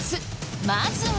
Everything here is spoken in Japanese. まずは